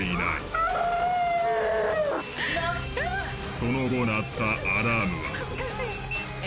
その後鳴ったアラームは。